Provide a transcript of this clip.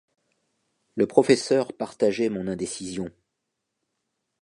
Le professeur partageait mon indécision.